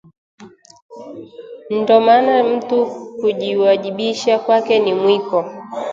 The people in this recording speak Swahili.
Nd’o maana mtu kujiwajibisha kwake ni mwiko